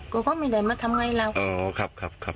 ก็ไม่ได้มาทำอะไรเรา